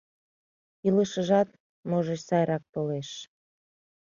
Илышыжат, можыч, сайрак толеш.